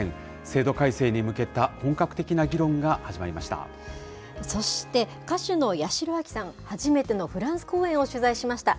制度改正に向けた本格的な議論が始まりました。